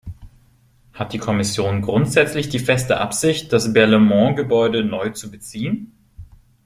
Hat die Kommission grundsätzlich die feste Absicht, das Berlaymont-Gebäude neu zu beziehen?